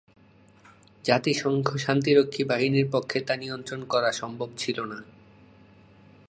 জাতিসংঘ শান্তিরক্ষী বাহিনীর পক্ষে তা নিয়ন্ত্রণ করা সম্ভব ছিল না।